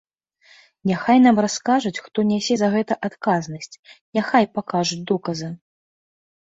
Няхай нам раскажуць, хто нясе за гэта адказнасць, няхай пакажуць доказы.